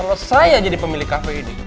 kalau saya jadi pemilih cafe ini